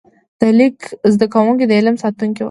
د لیک زده کوونکي د علم ساتونکي وو.